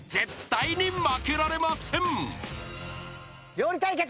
料理対決。